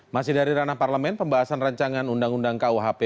masih dari ranah parlemen pembahasan rancangan undang undang kuhp